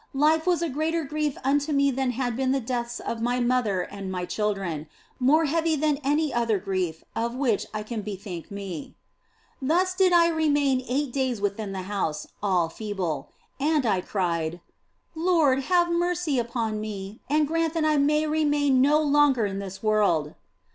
Life was a greater grief unto me than had been the deaths of my mother and my children, more heavy than any other grief of which I can bethink me. Thus did I remain eight days within the house, all feeble. And I cried, " Lord, have mercy upon me and grant that I may remain no longer in this world."